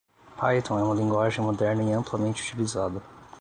Python é uma linguagem moderna e amplamente utilizada